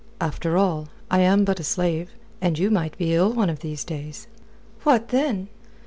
"After all, I am but a slave. And you might be ill one of these days." "What, then?"